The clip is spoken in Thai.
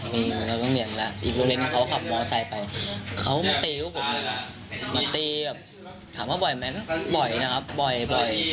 มีรถโรงเรียนแปลกนี้อีกทุ่นล่ะอีกโรงเรียนเขาก็ขับม้องไซเขมาตีกว่าผมเลย